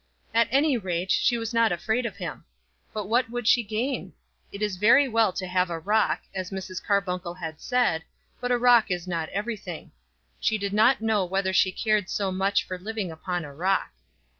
At any rate, she was not afraid of him. But what would she gain? It is very well to have a rock, as Mrs. Carbuncle had said, but a rock is not everything. She did not know whether she cared much for living upon a rock.